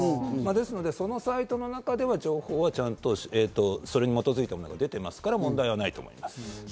ですので、そのサイトの中では情報はそれに基づいたものは出てますから問題ないと思います。